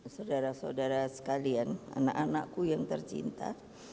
saudara saudara sekalian anak anakku yang tercinta